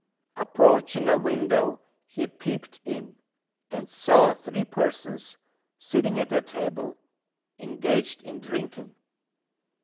Approaching a window, he peeped in, and saw three persons sitting at a table, engaged in drinking.